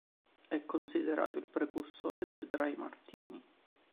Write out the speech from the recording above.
È considerato il precursore del Dry Martini.